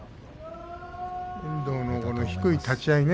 遠藤の低い立ち合いね。